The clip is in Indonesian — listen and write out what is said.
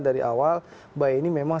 dari awal mbak yeni memang